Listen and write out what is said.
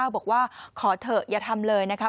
บอกว่าขอเถอะอย่าทำเลยนะครับ